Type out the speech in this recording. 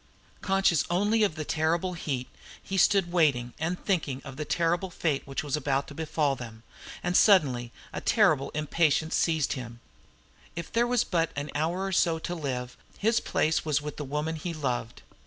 Conscious only of the terrible heat, he stood waiting and thinking of the fate which was about to befall them; and suddenly a terrible impatience seized upon him. If there was but an hour or so to live, his place was with the woman he loved.